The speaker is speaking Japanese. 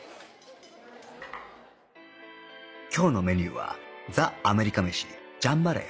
今日のメニューはザ・アメリカ飯ジャンバラヤ